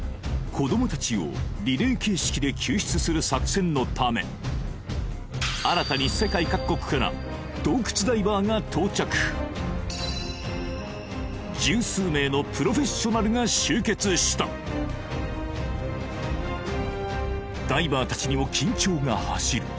子ども達をリレー形式で救出する作戦のため新たに世界各国から洞窟ダイバーが到着十数名のプロフェッショナルが集結したダイバー達にも緊張が走る